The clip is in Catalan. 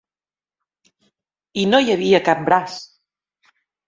I no hi havia cap braç!